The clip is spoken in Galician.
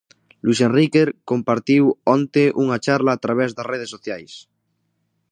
Luís Enrique compartiu onte unha charla a través das redes sociais.